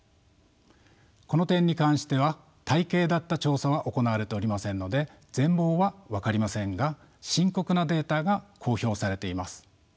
この点に関しては体系立った調査は行われておりませんので全貌は分かりませんが深刻なデータが公表されています。